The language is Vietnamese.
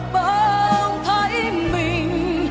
bỗng thấy mình